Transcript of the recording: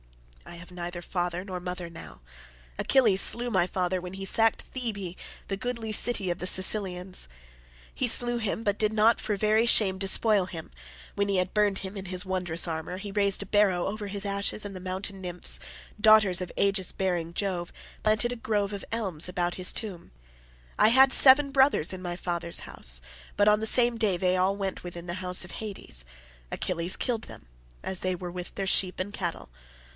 I have neither father nor mother now. Achilles slew my father when he sacked Thebe the goodly city of the Cilicians. He slew him, but did not for very shame despoil him; when he had burned him in his wondrous armour, he raised a barrow over his ashes and the mountain nymphs, daughters of aegis bearing Jove, planted a grove of elms about his tomb. I had seven brothers in my father's house, but on the same day they all went within the house of Hades. Achilles killed them as they were with their sheep and cattle.